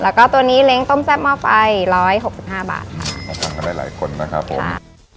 แล้วก็ตัวนี้เล้งต้มแซ่บหม้อไฟร้อยหกสิบห้าบาทค่ะมาทานกันได้หลายคนนะครับผม